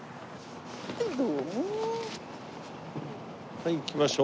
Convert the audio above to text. はい行きましょう。